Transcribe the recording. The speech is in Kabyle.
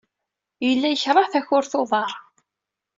Yella yekṛeh takurt n uḍar.